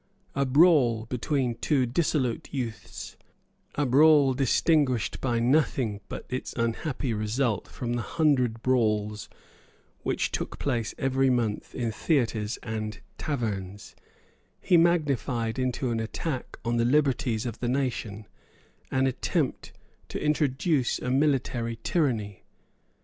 A brawl between two dissolute youths, a brawl distinguished by nothing but its unhappy result from the hundred brawls which took place every month in theatres and taverns, he magnified into an attack on the liberties of the nation, an attempt to introduce a military tyranny.